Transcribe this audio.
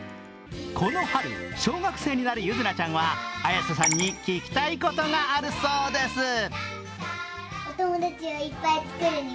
この春、小学生になるゆずなちゃんは綾瀬さんに聞きたいことがあるそうです。